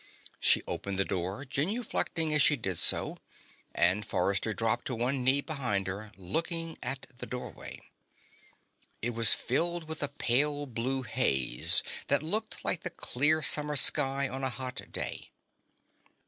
She opened the door, genuflecting as she did so, and Forrester dropped to one knee behind her, looking at the doorway. It was filled with a pale blue haze that looked like the clear summer sky on a hot day.